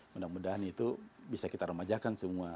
mudah mudahan itu bisa kita remajakan semua